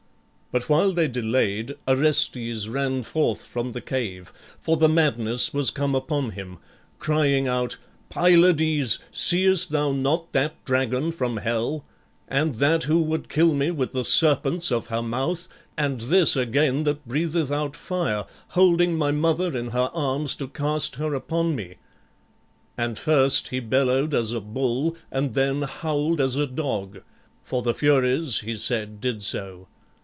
But while they delayed, Orestes ran forth from the cave, for the madness was come upon him, crying out, "Pylades, seest thou not that dragon from hell; and that who would kill me with the serpents of her mouth, and this again that breatheth out fire, holding my mother in her arms to cast her upon me?" And first he bellowed as a bull and then howled as a dog, for the Furies, he said, did so.